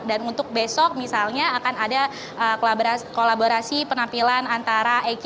dan untuk besok misalnya akan ada kolaborasi penampilan antara